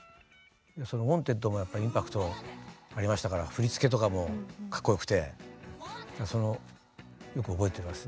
「ウォンテッド」もやっぱりインパクトありましたから振り付けとかもかっこよくてそのよく覚えてます。